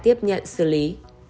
tiếp nhận xử lý